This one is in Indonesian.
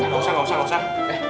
engga usah engga usah engga usah